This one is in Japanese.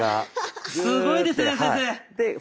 すごいですね先生！